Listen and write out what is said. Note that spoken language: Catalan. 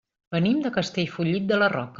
Venim de Castellfollit de la Roca.